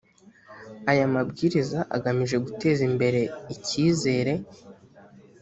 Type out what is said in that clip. aya mabwiriza agamije guteza imbere icyizere